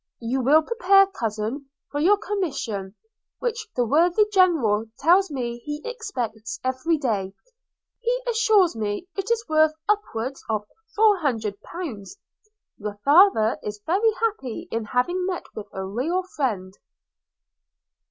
You will prepare, cousin, for your commission, which the worthy General tells me he expects every day: he assures me it is worth upwards of four hundred pounds. Your father is very happy in having met with a real friend.'